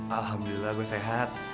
alhamdulillah gua sehat